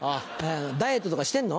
ダイエットとかしてんの？